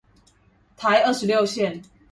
台二十六線